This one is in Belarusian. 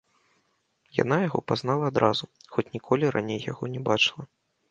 Яна яго пазнала адразу, хоць ніколі раней яго не бачыла.